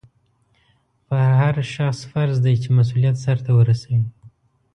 په هر شخص فرض دی چې مسؤلیت سرته ورسوي.